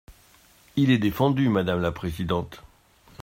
Il est défendu, madame la présidente.